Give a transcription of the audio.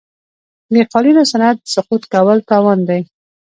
د قالینو صنعت سقوط کول تاوان دی.